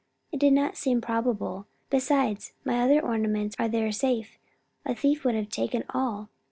It does not seem probable. Besides, my other ornaments are there safe. A thief would have taken all."